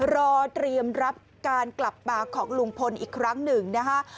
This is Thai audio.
รอเตรียมรับการกลับมาของลุงพลอีกครั้งหนึ่งนะคะ